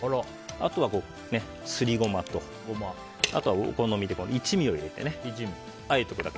あとはすりゴマとお好みで一味を入れてあえておくだけ。